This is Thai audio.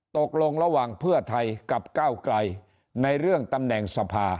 ตกลงระหว่างเพื่อไทยกับก้าวไกลในเรื่องตำแหน่งสภา